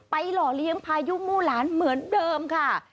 หล่อเลี้ยงพายุมู่หลานเหมือนเดิมค่ะ